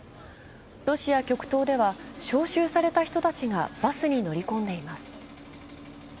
ロシア極東では招集された人たちがバスに乗り込んでいます。